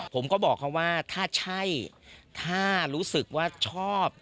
ผมก็บอกเขาว่าถ้าใช่ถ้ารู้สึกว่าชอบ